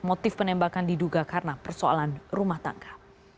motif penembakan diduga karena persoalan rumah tangga